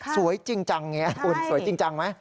สวยจริงจังไงคุณสวยจริงจังไหม